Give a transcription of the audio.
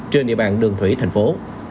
trên địa bàn đường thủy thành phố